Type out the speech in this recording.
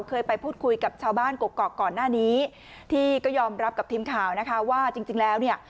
เคยไปพูดคุยกับชาวบ้านกกอกก่อนหน้านี้ที่ก็ยอมรับกับทีมข่าวนะคะว่าจริงจริงแล้วเนี่ย